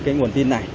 cái nguồn tin này